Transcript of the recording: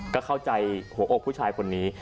ก็เข้าใจหัวอกผู้ชายคนนี้